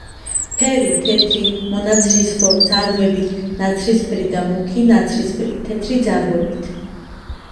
ფერი: თეთრი, მონაცრისფრო ძარღვებით; ნაცრისფერი და მუქი ნაცრისფერი, თეთრი ძარღვებით.